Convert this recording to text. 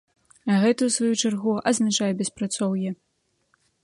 А гэта ў сваю чаргу азначае беспрацоўе.